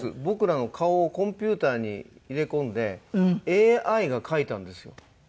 僕らの顔をコンピューターに入れ込んでＡＩが描いたんですよ。